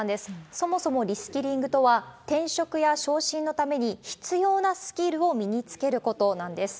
そもそもリスキリングとは、転職や昇進のために必要なスキルを身につけることなんです。